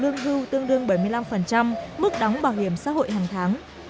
lương hưu tương đương bảy mươi năm mức đóng bảo hiểm xã hội hàng tháng